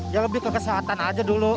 ya lebih ke kesehatan aja dulu